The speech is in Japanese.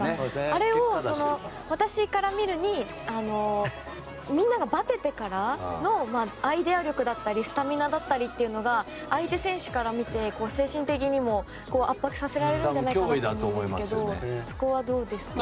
あれを、私から見るにみんながばててからのアイデア力だったりスタミナだったりというのが相手選手から見て精神的にも圧迫させられるんじゃないかなと思うんですがそこはどうですか？